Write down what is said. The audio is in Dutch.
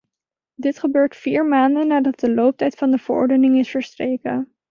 Dit gebeurt vier maanden nadat de looptijd van de verordening is verstreken.